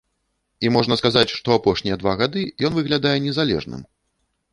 І можна сказаць, што апошнія два гады ён выглядае незалежным.